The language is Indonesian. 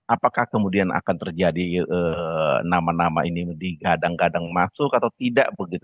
apakah kemudian akan terjadi nama nama ini digadang gadang masuk atau tidak